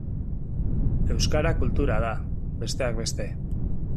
Euskara kultura da, besteak beste.